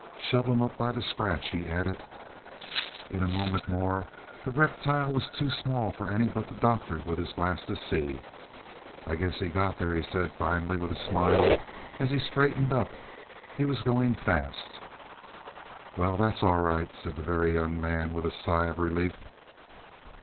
"Shove him up by the scratch," he added. In a moment more the reptile was too small for any but the Doctor with his glass to see. "I guess he got there," he said finally with a smile, as he straightened up. "He was going fast." "Well, that's all right," said the Very Young Man with a sigh of relief.